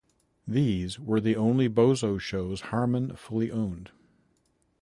These were the only Bozo shows Harmon fully owned.